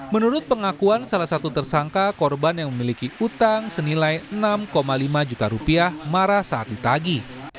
menurut pengakuan salah satu tersangka korban yang memiliki utang senilai enam lima juta rupiah marah saat ditagi